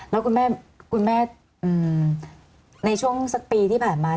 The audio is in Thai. แล้วคุณแม่คุณแม่ในช่วงสักปีที่ผ่านมา